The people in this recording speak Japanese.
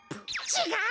ちがう！